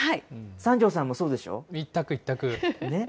三條さんもそうでしょ一択、一択。